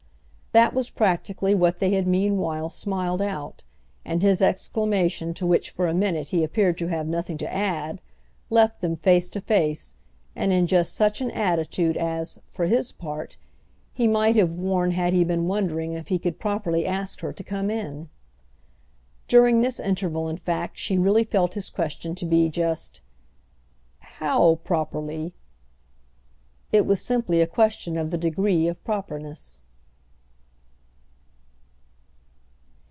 That was practically what they had meanwhile smiled out, and his exclamation to which for a minute he appeared to have nothing to add, left them face to face and in just such an attitude as, for his part, he might have worn had he been wondering if he could properly ask her to come in. During this interval in fact she really felt his question to be just "How properly—?" It was simply a question of the degree of properness.